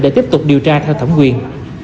để tiếp tục điều tra theo thẩm quyền